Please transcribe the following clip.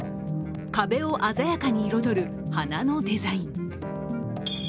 壁を鮮やかに彩る花のデザイン。